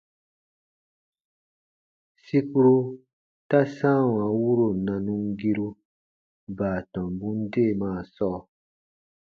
Sikuru ta sãawa wuro nanumgiru baatɔmbun deemaa sɔɔ.